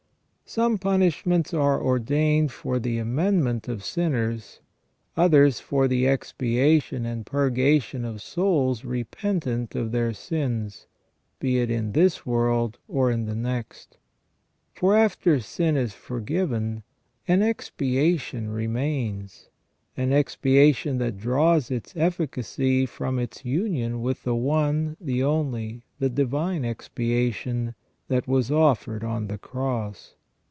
Some punishments are ordained for the amendment of sinners, others for the expiation and purgation of souls repentant of their sins, be it in this world or in the next. For after sin is forgiven an expiation remains, an expiation that draws its efficacy from its union with the one, the only, the divine expiation, that was offered on the Cross.